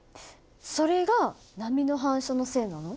それが波の反射のせいなの？